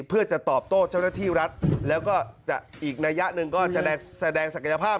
เพื่อจะตอบโตเจ้าหน้าทีรัฐอีกนายะนึงก็แสดงศักยภาพ